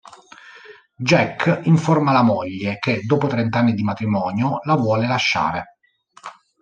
Jack informa la moglie che, dopo trent'anni di matrimonio, la vuole lasciare.